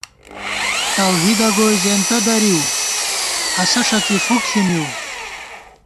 توحیدہ گوئی زېنتہ دَرِؤ ، اسہ ݭڅی فُک ݪِی مِؤ